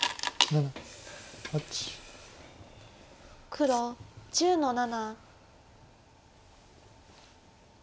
黒１０の七。